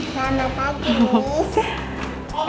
selamat pagi miss